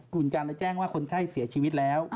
คุณจันทร์แจ้งว่าคนไข้เสียชีวิตแล้ว